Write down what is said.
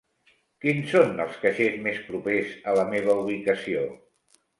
Quins són els caixers més propers a la meva ubicació?